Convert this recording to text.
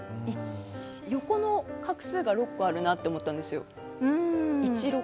横の画数が６個あるなと思ったんですよ。